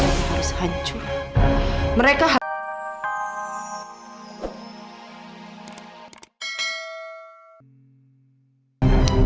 dan harus hancur mereka harus